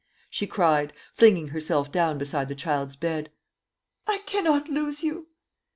she cried, flinging herself down beside the child's bed; "I cannot lose you!"